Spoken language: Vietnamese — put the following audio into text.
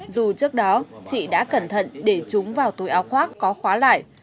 dù trước đó chị đã cẩn thận để chúng vào túi áo khoác có khóa lại